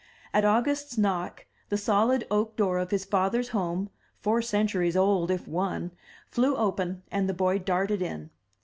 At August's knock the solid oak door of his father's home, four centuries old if one, flew open, and the boy darted in.